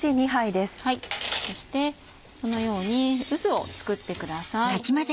そしてこのように渦を作ってください。